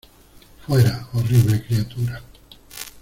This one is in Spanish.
¡ Fuera, horrible criatura!